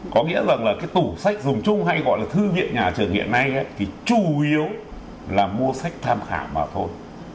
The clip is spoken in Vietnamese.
có nghĩa rằng là cái tủ sách dùng chung hay gọi là thư viện nhà trường hiện nay thì chủ yếu là mua sách tham khảo mà thôi